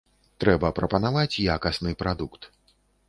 Трэба прапанаваць якасны прадукт.